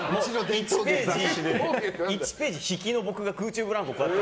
１ページ引きの僕が空中ブランコで。